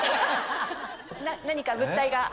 何か物体が？